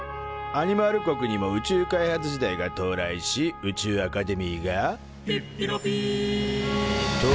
アニマル国にも宇宙開発時代が到来し宇宙アカデミーが「ぴっぴろぴ」と誕生。